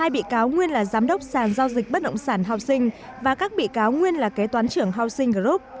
hai bị cáo nguyên là giám đốc sản giao dịch bất động sản housing và các bị cáo nguyên là kế toán trưởng housing group